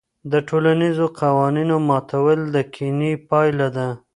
د ټولنیزو قوانینو ماتول د کینې پایله ده.